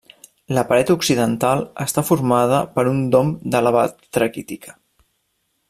La paret occidental està formada per un dom de lava traquítica.